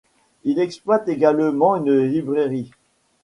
Il exploite également une librairie.